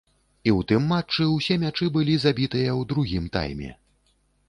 І ў тым матчы ўсе мячы былі забітыя ў другім тайме.